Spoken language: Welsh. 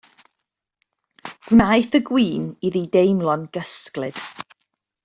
Gwnaeth y gwin iddi deimlo'n gysglyd.